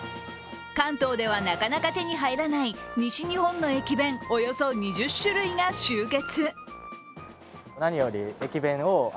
関東ではなかなか手に入らない西日本の駅弁、およそ２０種類が集結。